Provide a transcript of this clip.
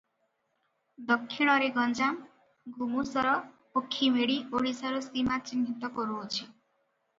ଦକ୍ଷିଣରେ ଗଞ୍ଜାମ, ଘୁମୁଷର ଓ ଖିମିଡ଼ୀ ଓଡ଼ିଶାର ସୀମା ଚିହ୍ନିତ କରୁଅଛି ।